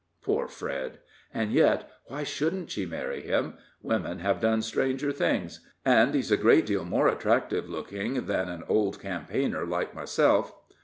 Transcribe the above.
Poor Fred! And yet, why shouldn't she marry him? women have done stranger things; and he's a great deal more attractive looking than an old campaigner like myself.